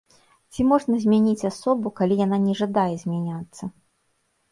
Ці можна змяніць асобу, калі яна не жадае змяняцца?